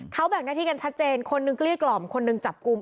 เขาแบ่งหน้าที่กันชัดเจนคนหนึ่งเกลี้ยกล่อมคนหนึ่งจับกลุ่ม